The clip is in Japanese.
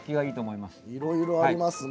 いろいろありますね。